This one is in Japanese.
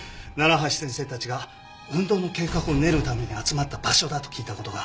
楢橋先生たちが運動の計画を練るために集まった場所だと聞いた事が。